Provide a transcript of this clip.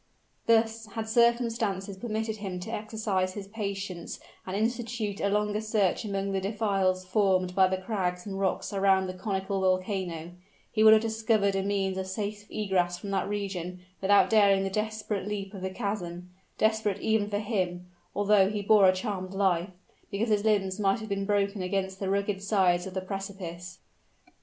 Thus, had circumstances permitted him to exercise his patience and institute a longer search among the defiles formed by the crags and rocks around the conical volcano, he would have discovered a means of safe egress from that region without daring the desperate leap of the chasm, desperate even for him, although he bore a charmed life, because his limbs might have been broken against the rugged sides of the precipice.